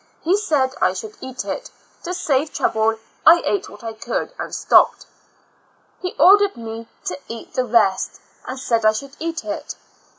He said I should eat it; to save trouble I ate what I could, and stopped; he ordered me to eat the rest, and said I should eat it.